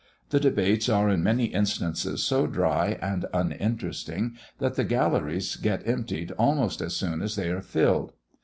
The debates are in many instances so dry and uninteresting that the galleries get emptied almost as soon as they are filled.